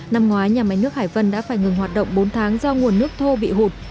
năm ngoái nhà máy nước hải vân đã phải ngừng hoạt động bốn tháng do nguồn nước thô bị hụt